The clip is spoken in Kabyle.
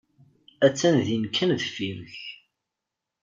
Attan din kan deffir-k.